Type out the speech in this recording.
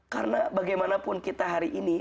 karena bagaimanapun kita hari ini